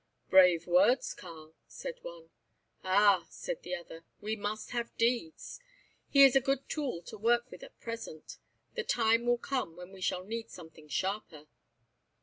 "Brave words, Karl," said one. "Ah," said the other, "we must have deeds. He is a good tool to work with at present; the time will come when we shall need something sharper."